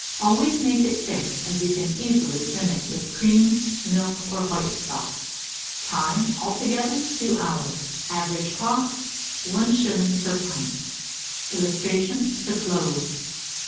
Always make it thick, as you can easily thin it with cream, milk, or white stock. Time. Altogether, 2 hours. Average cost, 1s. per pint. [Illustration: THE CLOVE.